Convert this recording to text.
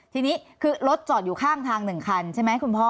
ทีนี้คือรถจอดอยู่ข้างทาง๑คันใช่ไหมคุณพ่อ